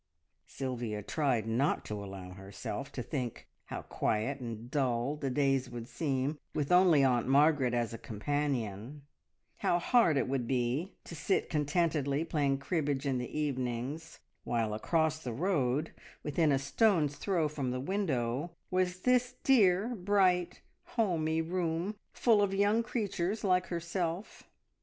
Sylvia tried not to allow herself to think how quiet and dull the days would seem with only Aunt Margaret as a companion; how hard it would be to sit contentedly playing cribbage in the evenings, while across the road, within a stone's throw from the window, was this dear, bright, homey room, full of young creatures like herself.